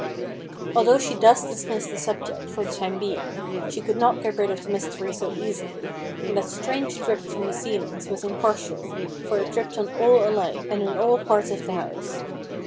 Although she thus dismissed the subject for the time being she could not get rid of the mystery so easily, and that strange drip from the ceilings was impartial, for it dripped on all alike, and in all parts of the house.